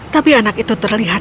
tapi anak itu terlihat